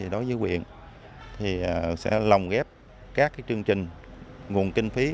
đối với nguyễn sẽ lòng ghép các chương trình nguồn kinh phí